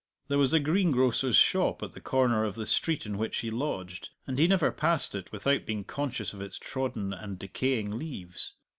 There was a greengrocer's shop at the corner of the street in which he lodged, and he never passed it without being conscious of its trodden and decaying leaves.